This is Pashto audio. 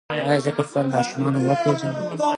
ایا زه به خپل ماشومان وپیژنم؟